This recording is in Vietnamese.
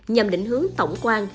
nhằm định hướng tổng quan